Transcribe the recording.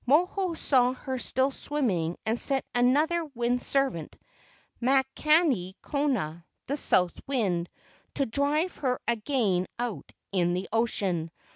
Moho saw her still swimming and sent another wind servant, Makani kona, the south wind, to drive her again out in the ocean.